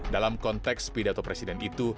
dalam konteks pidato presiden itu